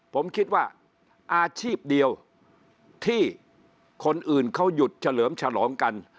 ผมคิดว่าอาชีพเดียวที่คนอื่นเขาหยุดเฉลิมฉลองกัน